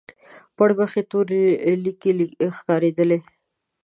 پر مخ يې تورې ليکې ښکارېدلې.